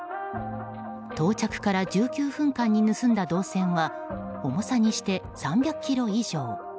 到着から１９分間に盗んだ銅線は重さにして３００ｋｇ以上。